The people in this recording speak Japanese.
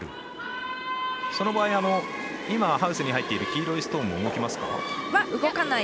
その場合今ハウスに入っている黄色いストーンも動きますか？